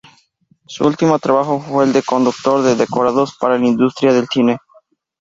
Su último trabajo fue el de constructor de decorados para la industria del cine.